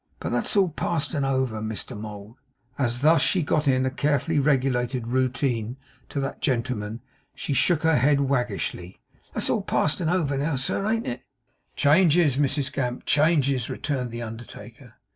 But that's all past and over, Mr Mould;' as she thus got in a carefully regulated routine to that gentleman, she shook her head waggishly; 'That's all past and over now, sir, an't it?' 'Changes, Mrs Gamp, changes!' returned the undertaker.